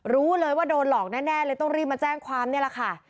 รู้เลยว่าโดนหลอกแน่เลยต้องรีบมาแจ้งความนี่แหละค่ะ